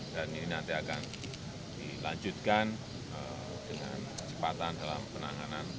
dan ini nanti akan dilanjutkan dengan cepatan dalam penanganan